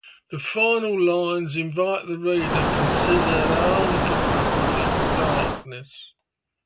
The final lines invite the reader to consider their own capacity for darkness.